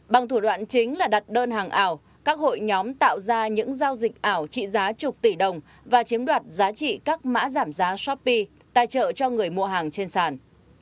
bằng thủ đoạn chính là đặt đơn hàng ảo các hội nhóm tạo ra những giao dịch ảo trị giá chục tỷ đồng và chiếm đoạt giá trị các mã giảm giá shopee tài trợ cho người mua hàng trên sàn